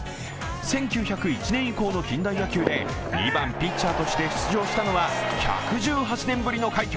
１９０１年以降の近代野球で２番ピッチャーとして出場したのは１１８年ぶりの快挙。